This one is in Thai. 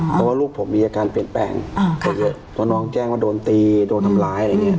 เพราะว่าลูกผมมีอาการเปลี่ยนแปลงเยอะเพราะน้องแจ้งว่าโดนตีโดนทำร้ายอะไรอย่างนี้